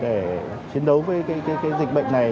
để chiến đấu với dịch bệnh này